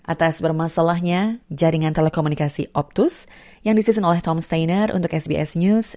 atas bermasalahnya jaringan telekomunikasi optus yang disusun oleh tomm stainer untuk sbs news